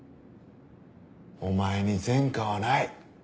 お前に前科はない。